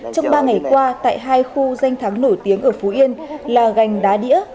trong ba ngày qua tại hai khu danh thắng nổi tiếng ở phú yên là gành đá đĩa